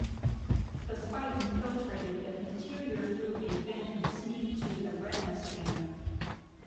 The spy infiltrated the interior through a vent and sneaked to the retina scanner.